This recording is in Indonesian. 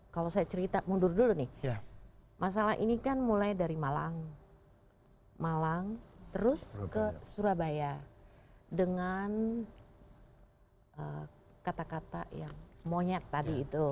kalau saya cerita mundur dulu nih masalah ini kan mulai dari malang malang terus ke surabaya dengan kata kata yang monyet tadi itu